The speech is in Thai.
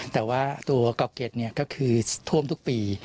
แต่ว่าตัวเกาะเก็ตก็คือท่วมทุกปี